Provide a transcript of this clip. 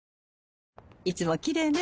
いつもきれいね。